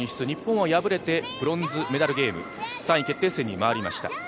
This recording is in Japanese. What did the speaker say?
日本は敗れてブロンズメダルゲーム、３位決定戦に回りました。